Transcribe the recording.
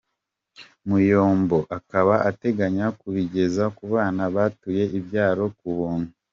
Muyombo akaba ateganya kubigeza ku bana batuye ibyaro ku buntu.